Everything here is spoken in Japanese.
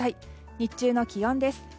日中の気温です。